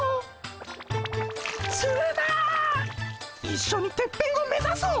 一緒にてっぺんを目指そう！